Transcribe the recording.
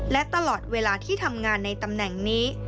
และตลอดเวลาที่ทำงานในตำแหน่งนี้